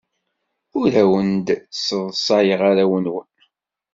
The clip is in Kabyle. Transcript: Ur awen-d-sseḍsayeɣ arraw-nwen.